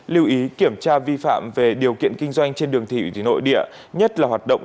lưu ý kiểm tra vi phạm về điều kiện kinh doanh trên đường thủy nội địa nhất là hoạt động